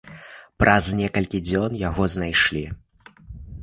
Праз некалькі дзён яго знайшлі.